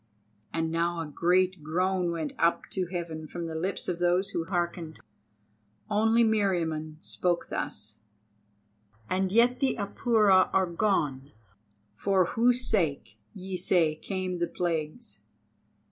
And now a great groan went up to heaven from the lips of those who hearkened. Only Meriamun spoke thus: "And yet the Apura are gone, for whose sake, ye say, came the plagues.